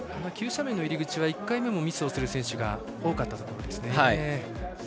急斜面の入り口は１回目もミスをする選手が多かったところですね。